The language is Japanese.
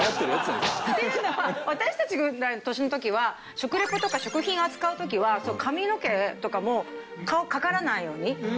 私たちぐらいの年の時は食リポとか食品を扱う時は髪の毛とかも顔かからないように。